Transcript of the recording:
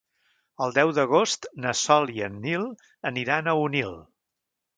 El deu d'agost na Sol i en Nil aniran a Onil.